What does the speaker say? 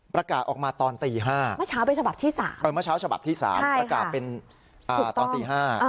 ประกาศออกมาตอนตี๕เมื่อเช้าเป็นฉบับที่๓ประกาศเป็นตอนตี๕